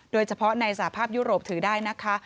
โดยเฉพาะในสภาพยุโรปถือได้นะคะ